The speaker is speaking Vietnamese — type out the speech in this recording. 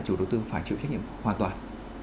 chủ đầu tư phải chịu trách nhiệm hoàn toàn